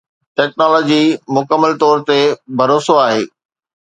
technology مڪمل طور تي ڀروسو آهي